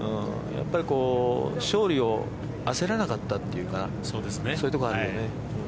やっぱり勝利を焦らなかったっていうかそういうところあるよね。